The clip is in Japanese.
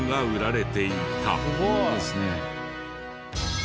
すごい！いいですね。